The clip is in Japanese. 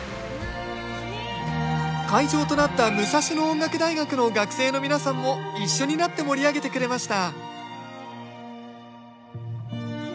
会場となった武蔵野音楽大学の学生の皆さんも一緒になって盛り上げてくれました